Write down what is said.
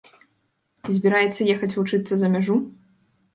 Ці збіраецца ехаць вучыцца за мяжу?